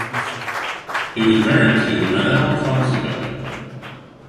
He was married to Manel Fonseka.